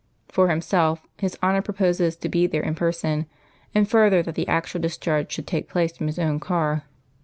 "For Himself, His Honour proposes to be there in person, and further that the actual discharge should take place from His own car.